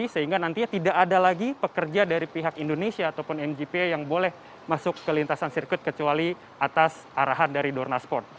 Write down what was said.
sehingga nantinya tidak ada lagi pekerja dari pihak indonesia ataupun mgpa yang boleh masuk ke lintasan sirkuit kecuali atas arahan dari dorna sport